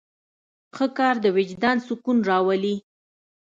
ښه کار د وجدان سکون راولي.